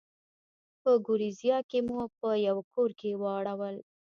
په ګوریزیا کې مو په یوه کور کې واړول.